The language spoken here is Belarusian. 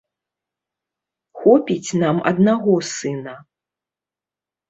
Хопіць нам аднаго сына.